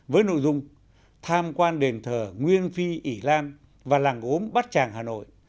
với nội dung tham quan đền thờ nguyên phi ỉ lan và làng gốm bát tràng hà nội